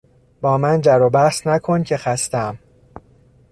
با من جروبحث نکن که خستهام!